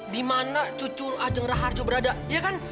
di mana cucu ajeng raharjo berada iya kan